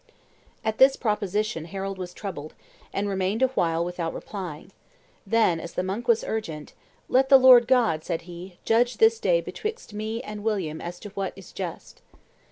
At this proposition Harold was troubled, and remained a while without replying; then, as the monk was urgent, "Let the Lord God," said he, "judge this day betwixt me and William as to what is just."